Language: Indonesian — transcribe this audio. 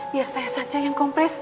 biar saya saja yang kompres